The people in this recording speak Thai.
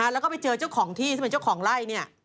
แล้วก็ไปเจอเจ้าของที่ซึ่งเป็นเจ้าของไล่เนี่ย